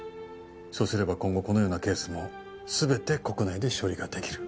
そうすれば今後このようなケースも全て国内で処理ができる。